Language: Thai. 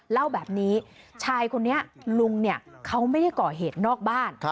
เล่าแบบนี้ชายคนนี้ลุงเนี่ยเขาไม่ได้ก่อเหตุนอกบ้าน